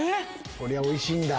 こりゃおいしいんだ。